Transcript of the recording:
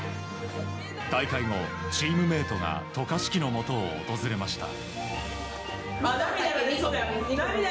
大会後、チームメートが渡嘉敷のもとを訪れました。